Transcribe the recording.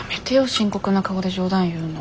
深刻な顔で冗談言うの。